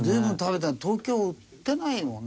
東京売ってないもんね